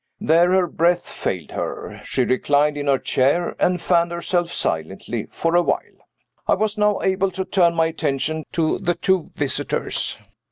There, her breath failed her. She reclined in her chair, and fanned herself silently for a while. I was now able to turn my attention to the two visitors.